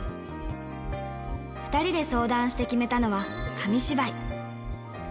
２人で相談して決めたのは、紙芝居。